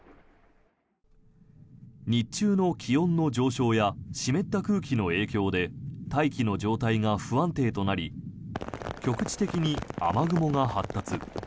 日中の気温の上昇や湿った空気の影響で大気の状態が不安定となり局地的に雨雲が発達。